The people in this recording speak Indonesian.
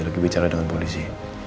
lagi bicara dengan polisi